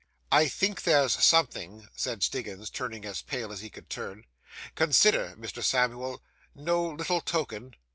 'I think there's something,' said Stiggins, turning as pale as he could turn. 'Consider, Mr. Samuel; no little token?